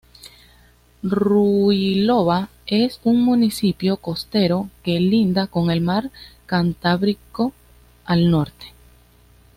Ruiloba es un municipio costero que linda con el mar Cantábrico al Norte.